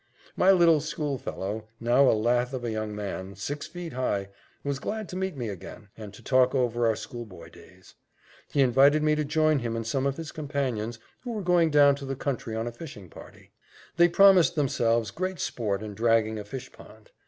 My little schoolfellow, now a lath of a young man, six feet high, was glad to meet me again, and to talk over our schoolboy days. He invited me to join him and some of his companions, who were going down to the country on a fishing party. They promised themselves great sport in dragging a fish pond.